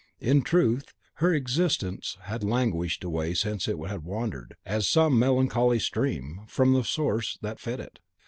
In truth, her existence had languished away since it had wandered, as some melancholy stream, from the source that fed it.